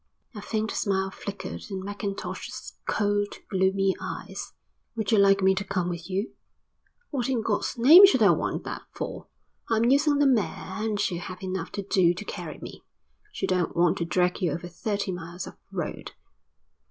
A faint smile flickered in Mackintosh's cold, gloomy eyes. "Would you like me to come with you?" "What in God's name should I want that for? I'm using the mare and she'll have enough to do to carry me; she don't want to drag you over thirty miles of road."